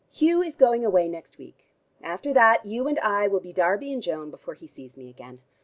Hugh is going away next week; after that you and I will be Darby and Joan before he sees me again.